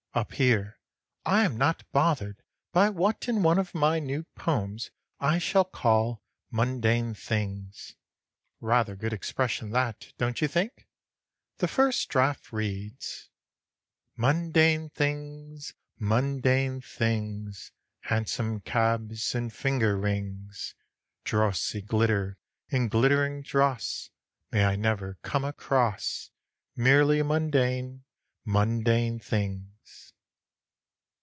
Up here I am not bothered by what in one of my new poems I shall call 'Mundane Things.' Rather good expression that, don't you think? The first draft reads: "'Mundane things, mundane things, Hansom cabs and finger rings, Drossy glitter and glittering dross, May I never come across Merely mundane, mundane things.'